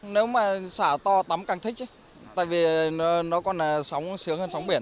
nếu mà xả to tắm càng thích tại vì nó còn sống sướng hơn sống biển